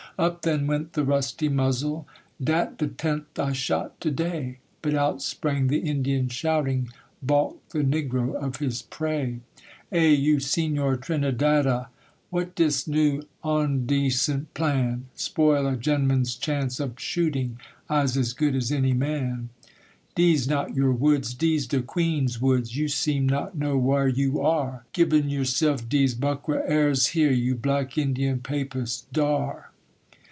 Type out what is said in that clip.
Up then went the rusty muzzle, 'Dat de tenth I shot to day:' But out sprang the Indian shouting, Balked the negro of his prey. 'Eh, you Senor Trinidada! What dis new ondacent plan? Spoil a genl'man's chance ob shooting? I as good as any man. 'Dese not your woods; dese de Queen's woods: You seem not know whar you ar, Gibbin' yuself dese buckra airs here, You black Indian Papist! Dar!'